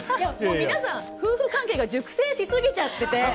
皆さん、夫婦関係が熟成しすぎちゃってて。